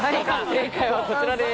正解はこちらです。